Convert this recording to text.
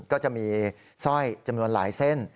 ก็จะมีสร้อยจำนวนหลายเส้น